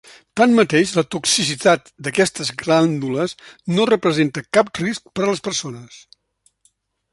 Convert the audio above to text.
Tanmateix, la toxicitat d'aquestes glàndules no representa cap risc per a les persones.